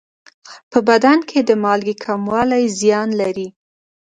په بدن کې د مالګې کموالی زیان لري.